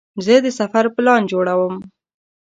زه د سفر پلان جوړوم.